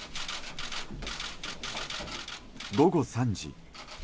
午後３時。